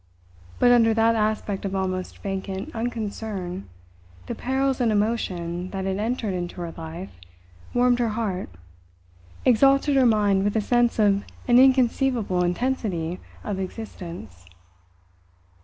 But under that aspect of almost vacant unconcern the perils and emotion that had entered into her life warmed her heart, exalted her mind with a sense of an inconceivable intensity of existence.